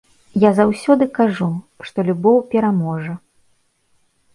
Я заўсёды кажу, што любоў пераможа.